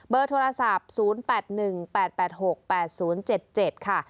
โทรศัพท์๐๘๑๘๘๖๘๐๗๗ค่ะ